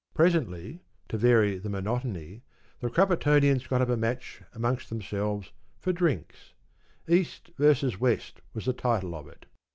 Presently, to vary the monotony, the Cruppertonians got up a match amongst themselves for drinks—East versus West was the title of it.